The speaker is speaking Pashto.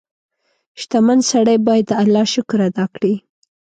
• شتمن سړی باید د الله شکر ادا کړي.